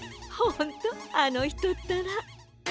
ほんとあのひとったら。